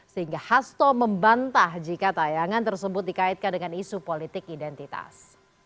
sehingga hasto membantah jika tayangan tersebut dikaitkan dengan isu politik identitas